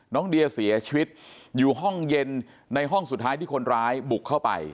น้องเดียเสียชีวิตอยู่ห้องเย็นในห้องสุดท้ายที่คนร้ายบุกเข้าไป